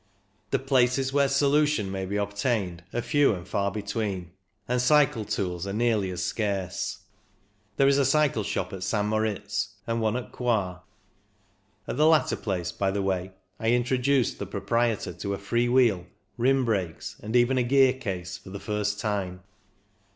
The places where solution may be obtained are few and far between, and cycle tools are nearly as scarce. There is a cycle shop at St Moritz, and one at Coire; at the latter place, by the way, I introduced the proprietor to a free wheel, rim brakes, and even a gear case for the first time.